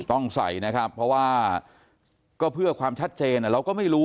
ต้องใส่นะครับเพราะว่าก็เพื่อความชัดเจนเราก็ไม่รู้